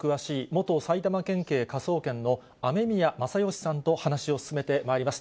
元埼玉県警科捜研の雨宮正欣さんと話を進めてまいります。